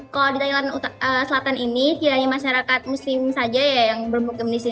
kalau di thailand selatan ini tidak hanya masyarakat muslim saja ya yang bermukim di sini